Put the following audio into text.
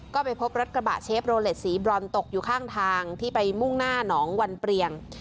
ก็ไปพบรถกระบะเชฟโรเลสสีบรอนตกอยู่ข้างทางที่ไปมุ่งหน้าหนองวันเปรียง